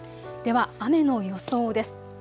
では雨の予想です。